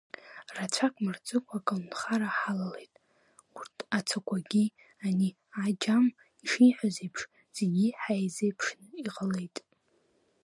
Рацәак мырҵыкәа аколнхара ҳалалеит, урҭ ацақәагьы, ани аџьам ишиҳәаз еиԥш, зегьы иаҳзеиԥшны иҟалеит.